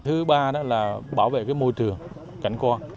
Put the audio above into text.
thứ ba đó là bảo vệ môi trường cảnh quan